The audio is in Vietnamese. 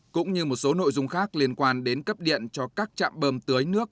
cũng như một số nội dung khác liên quan đến cấp điện cho các trạm bơm tưới nước